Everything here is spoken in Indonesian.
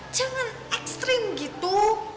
jangan ekstrim gitu